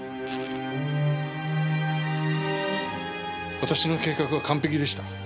私の計画は完璧でした。